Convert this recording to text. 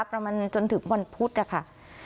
ประมาณจนถึงวันพุธนะคะ